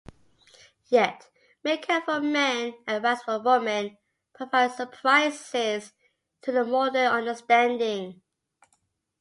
Yet make-up for men and rights for women provide surprises to the modern understanding.